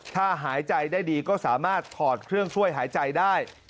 ถ้าหายใจได้ดีก็สามารถถอดเครื่องช่วยหายใจได้